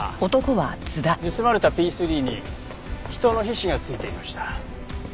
盗まれたＰⅢに人の皮脂がついていました。